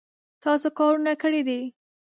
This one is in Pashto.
تاسو کارونه کړي دي